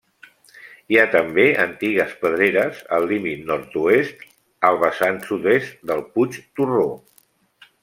Hi ha també antigues pedreres al límit nord-oest al vessant sud-est del Puig Torró.